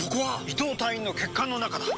伊藤隊員の血管の中だ！